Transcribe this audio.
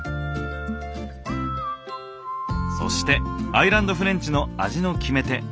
そしてアイランドフレンチのいただきます。